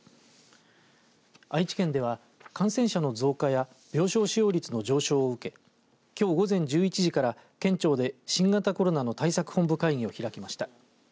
愛知県では感染者の増加や病床使用率の上昇を受けきょう午前１１時から県庁で新型コロナの対策本部会議を開きました。